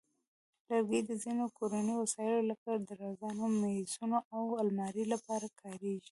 لرګي د ځینو کورني وسایلو لکه درازونو، مېزونو، او المارۍ لپاره کارېږي.